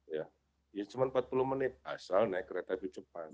ya cuma empat puluh menit asal naik kereta api cepat